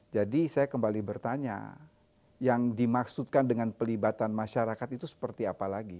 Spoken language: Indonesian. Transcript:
jadi saya kembali bertanya yang dimaksudkan dengan pelibatan masyarakat itu seperti apa lagi